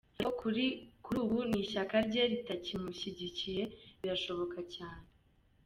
Ariko kuri ubu n’ishyaka rye ritakimushyigikiye birashoboka cyane.